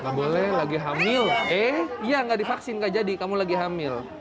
gak boleh lagi hamil eh iya nggak divaksin gak jadi kamu lagi hamil